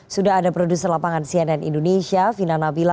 sudah ada produser lapangan cnn indonesia vina nabila